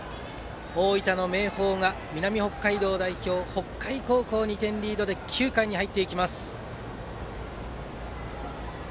大分の明豊が南北海道代表の北海高校に２点リードで９回に入ります。